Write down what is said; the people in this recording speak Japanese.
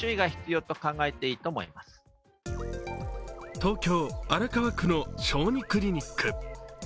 東京・荒川区の小児クリニック。